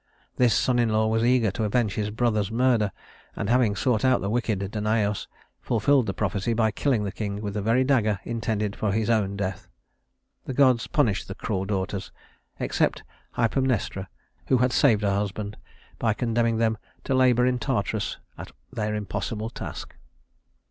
This son in law was eager to avenge his brothers' murder, and having sought out the wicked Danaüs, fulfilled the prophecy by killing the king with the very dagger intended for his own death. The gods punished the cruel daughters except Hypermnestra, who had saved her husband by condemning them to labor in Tartarus at their impossible task.